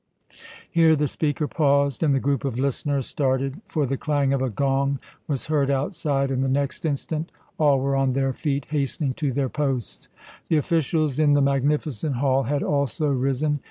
Here the speaker paused, and the group of listeners started, for the clang of a gong was heard outside, and the next instant all were on their feet hastening to their posts. The officials in the magnificent hall had also risen.